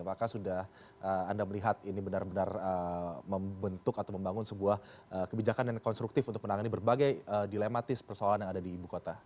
apakah sudah anda melihat ini benar benar membentuk atau membangun sebuah kebijakan yang konstruktif untuk menangani berbagai dilematis persoalan yang ada di ibu kota